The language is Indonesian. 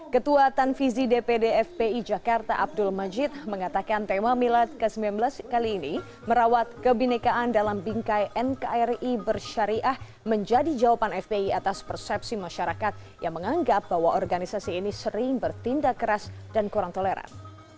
ketua tanfizi dpd fpi jakarta abdul majid mengatakan tema milad ke sembilan belas kali ini merawat kebinekaan dalam bingkai nkri bersyariah menjadi jawaban fpi atas persepsi masyarakat yang menganggap bahwa organisasi ini sering bertindak keras dan kurang toleran